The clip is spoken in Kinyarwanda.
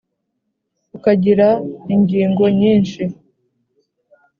ukagira ingingo nyinshi,